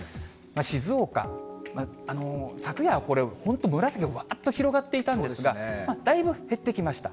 静岡、昨夜はこれ、本当、紫がわーっと広がっていたんですが、だいぶ減ってきました。